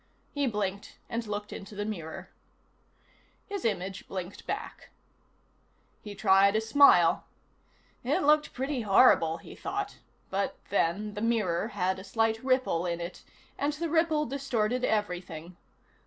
He blinked and looked into the mirror. His image blinked back. He tried a smile. It looked pretty horrible, he thought but, then, the mirror had a slight ripple in it, and the ripple distorted everything.